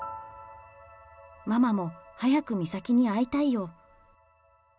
ママも早く美咲に会いたいよ。